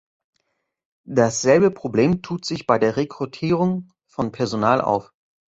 Dasselbe Problem tut sich bei der Rekrutierung von Personal auf.